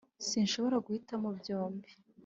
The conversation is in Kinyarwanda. sinshobora guhitamo byombi